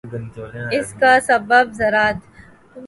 اس کا سبب ذرات